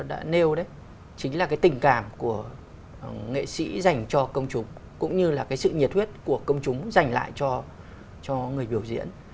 đối với nghệ thuật đường phố thì chính là tình cảm của nghệ sĩ dành cho công chúng cũng như là sự nhiệt huyết của công chúng dành lại cho người biểu diễn